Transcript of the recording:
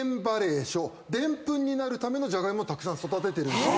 でんぷんになるためのジャガイモをたくさん育ててるんです。